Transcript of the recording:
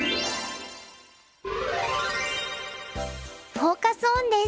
フォーカス・オンです。